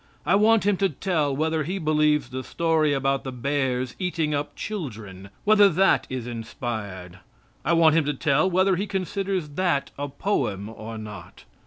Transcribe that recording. I want him to tell whether he believes the story about the bears eating up children; whether that is inspired. I want him to tell whether he considers that a poem or not.